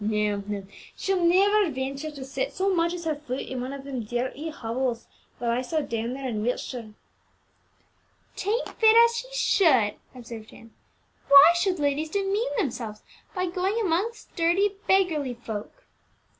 No, no; she'll never venture to set so much as her foot in one of them dirty hovels that I saw down there in Wiltshire." "'Tain't fit as she should," observed Ann. "Why should ladies demean themselves by going amongst dirty beggarly folk?"